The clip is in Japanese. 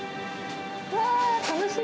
うわー、楽しみ。